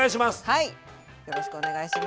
はい。